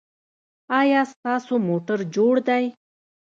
ایا ستاسو موټر جوړ دی؟